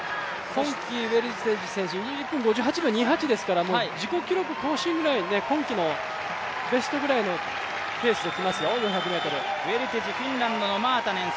今季ウェルテジ選手１分５８秒２１ですから自己記録更新くらい、今季のベストくらいのペースで４００ｍきますよ。